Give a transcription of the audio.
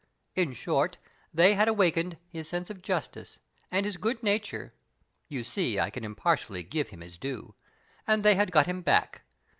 In short, they had awakened his sense of justice and his good nature (you see, I can impartially give him his due), and they had got him back.